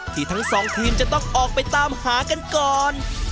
ทั้งสองทีมจะต้องออกไปตามหากันก่อน